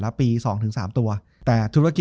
จบการโรงแรมจบการโรงแรม